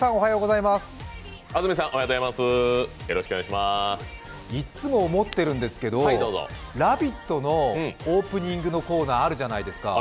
いつも思ってるんですけど、「ラヴィット！」のオープニングのコーナー、あるじゃないですか。